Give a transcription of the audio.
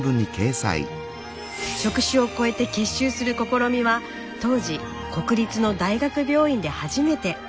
職種を超えて結集する試みは当時国立の大学病院で初めて。